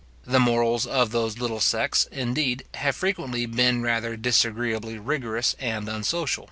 The morals of those little sects, indeed, have frequently been rather disagreeably rigorous and unsocial.